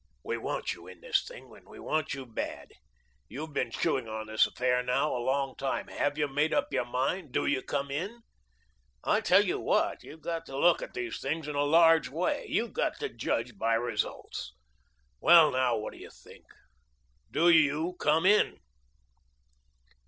We want you in this thing, and we want you bad. You've been chewing on this affair now a long time. Have you made up your mind? Do you come in? I tell you what, you've got to look at these things in a large way. You've got to judge by results. Well, now, what do you think? Do you come in?"